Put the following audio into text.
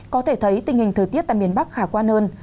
có thể thấy tình hình thời tiết tại miền bắc khả quan hơn